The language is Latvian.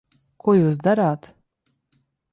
Ko jūs darāt?